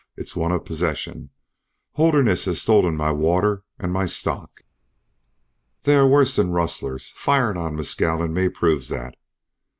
It's one of possession. Holderness has stolen my water and my stock." "They are worse than rustlers; firing on Mescal and me proves that."